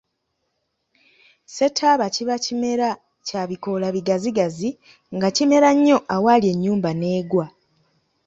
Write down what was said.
Ssettaaba kiba kimera kya bikoola bigazigazi nga kimera nnyo awaali ennyumba n’egwa.